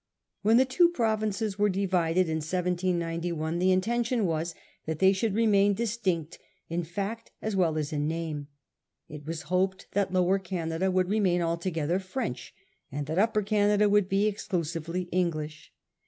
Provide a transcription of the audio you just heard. When the two provinces were divided in 1791 the intention was that they should remain distinct in fact as well as in name. It was hoped that Lower Canada would remain altogether French, and that Upper Canada would be exclusively English.